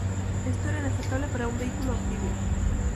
Esto era inaceptable para un vehículo anfibio.